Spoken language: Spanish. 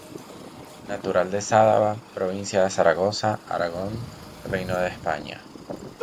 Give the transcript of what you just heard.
Natural de Sádaba, provincia de Zaragoza, Aragón, Reino de España.